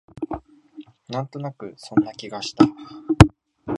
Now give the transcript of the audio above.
なんとなくそんな気がした